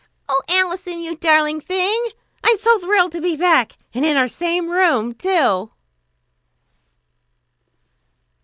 "Oh, Alison, you darling thing! I'm so thrilled to be back, and in our same old room, too."